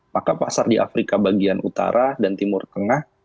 maka pasar di afrika bagian utara dan timur tengah